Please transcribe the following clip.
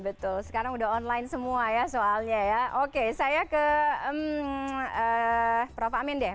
betul sekarang udah online semua ya soalnya ya oke saya ke prof amin deh